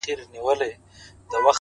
داده پښـــــتانه اشـــــــنــــٰــا؛